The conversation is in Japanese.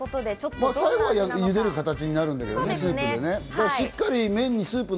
最後は茹でる形になるけどね、スープで。